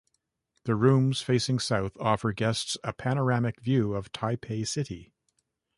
The rooms facing south offer guests a paranomic view of Taipei City.